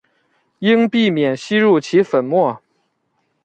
应避免吸入其粉末。